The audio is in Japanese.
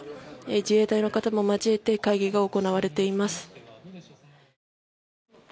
自衛隊の方も交えて会議が行われています。